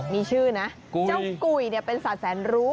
มีชื่อนะเจ้ากุยเป็นสัตวแสนรู้